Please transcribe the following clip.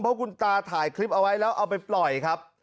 เพราะคุณตาถ่ายคลิปเอาไว้แล้วเอาไปปล่อยครับ